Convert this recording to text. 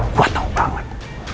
gue tau kangen